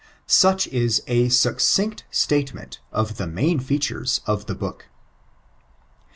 Such is a auodnot atatement of the main features of the book.